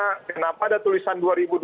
kenapa ada tulisan dua ribu dua puluh